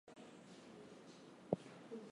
The leaders and the people-they love Jesus.